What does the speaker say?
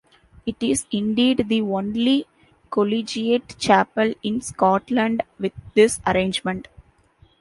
It is indeed the only collegiate chapel in Scotland with this arrangement.